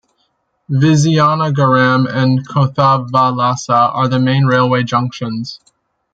Vizianagaram and Kothavalasa are the main railway junctions.